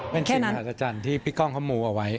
เป็นสิ่งมหัศจรรย์ที่พี่ก้องเขามูเอาไว้